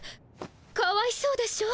かわいそうでしょう？